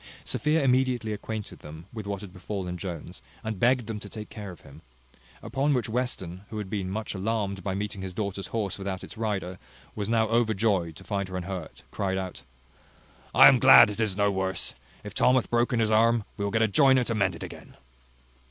Sophia immediately acquainted them with what had befallen Jones, and begged them to take care of him. Upon which Western, who had been much alarmed by meeting his daughter's horse without its rider, and was now overjoyed to find her unhurt, cried out, "I am glad it is no worse. If Tom hath broken his arm, we will get a joiner to mend un again."